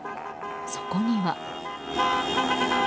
そこには。